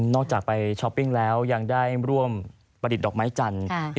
นอกจากไปชอปปิ๊งแล้วยังได้ร่วมผลิตดอกไม้จันทร์